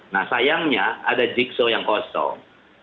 nah sayangnya ada jikso yang kosong